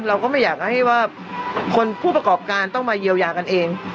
เราก็ไม่อยากให้ว่าคนผู้ประกอบการต้องมาเยียวยากันเอง